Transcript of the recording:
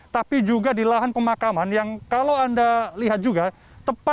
tapi juga di lahan pemakaman yang kalau anda lihat juga